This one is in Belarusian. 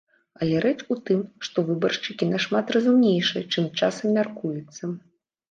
Але рэч у тым, што выбаршчыкі нашмат разумнейшыя, чым часам мяркуецца.